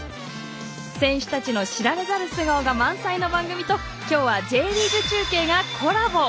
選手たちの知られざる素顔が満載の番組ときょうはＪリーグ中継がコラボ。